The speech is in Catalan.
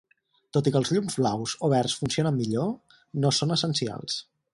Tot i que els llums blaus o verds funcionen millor, no són essencials.